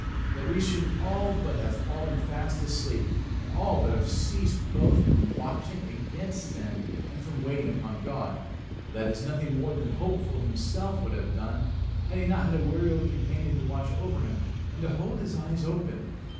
That we should all but have fallen fast asleep, and all but have ceased both from watching against sin and from waiting upon God well, that is nothing more than Hopeful himself would have done had he not had a wary old companion to watch over him, and to hold his eyes open.